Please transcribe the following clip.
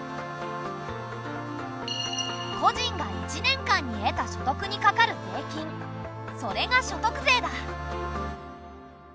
個人が１年間に得た所得にかかる税金それが所得税だ。